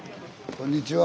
こんにちは。